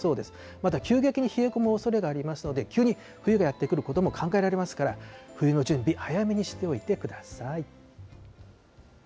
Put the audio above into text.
また急激に冷え込むおそれがありますので、急に冬がやって来ることも考えられますから、冬の準備早めにしておいてください。